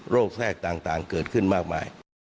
แทรกต่างเกิดขึ้นมากมาย